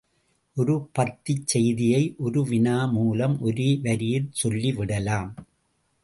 ஒரு பத்திச் செய்தியை ஒரு வினா மூலம் ஒரே வரியில் சொல்லி விடலாம்.